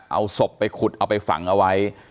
เอาศพไปขุดเอาไปฝังเอาไว้